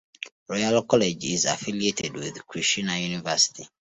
Loyola College is affiliated with Krishna University.